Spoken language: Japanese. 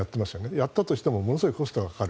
やったとしてもものすごくコストがかかる。